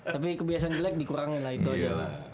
tapi kebiasaan jelek dikurangin lah itu aja